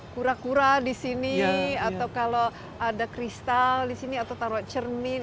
kura kura di sini atau kalau ada kristal di sini atau taruh cermin